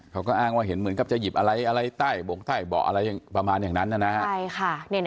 เขาก็อ้างว่าเห็นเหมือนกับจะหยิบอะไรอะไรใต้บกใต้เบาะอะไรประมาณอย่างนั้นนะฮะ